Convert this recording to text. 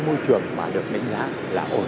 nền tảng dương chính giới